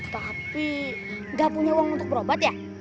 tapi nggak punya uang untuk berobat ya